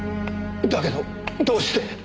だけどどうして。